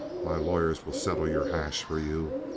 My lawyers will settle your hash for you.